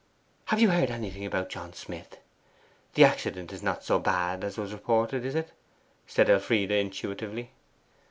'Have you heard anything about John Smith? The accident is not so bad as was reported, is it?' said Elfride intuitively.